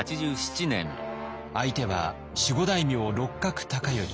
相手は守護大名六角高頼。